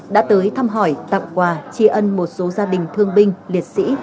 đã tới thăm hỏi tặng quà tri ân một số gia đình thương binh liệt sĩ